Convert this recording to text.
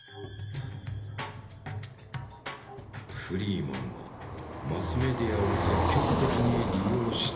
フリーマンはマスメディアを積極的に利用した。